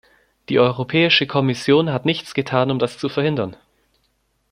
Die Europäische Kommission hat nichts getan, um das zu verhindern.